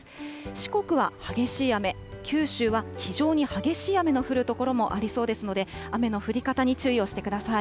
四国は激しい雨、九州は非常に激しい雨の降る所もありそうですので、雨の降り方に注意をしてください。